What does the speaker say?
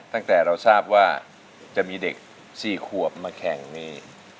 ตั้งแต่เราทราบว่าจะมีเด็ก๔ขวบมาแข่งนี่